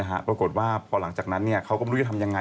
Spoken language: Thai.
เอามาออกอันดังคารนี้เลยพรุ่งนี้